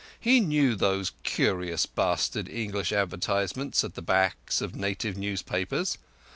He knew those curious bastard English advertisements at the backs of native newspapers.